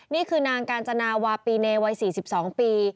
นี่คือนางกาญจนาวาปีเนวัย๔๒ปี